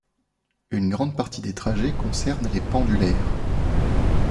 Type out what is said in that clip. Une grande partie des trajets concerne les pendulaires.